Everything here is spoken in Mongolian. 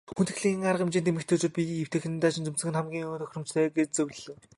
Хүндэтгэлийн арга хэмжээнд эмэгтэйчүүд биед эвтэйхэн даашинз өмсөх нь хамгийн тохиромжтой гэж зөвлөлөө.